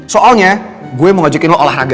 soalnya gue mau ngajakin lo olahraga